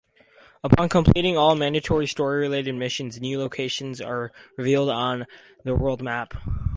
Upon completing all mandatory story-related missions, new locations are revealed on the world map.